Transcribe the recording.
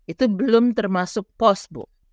itu belum termasuk pos bu